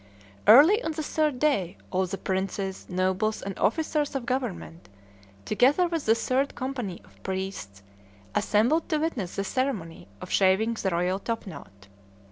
Early on the third day all the princes, nobles, and officers of government, together with the third company of priests, assembled to witness the ceremony of shaving the royal top knot.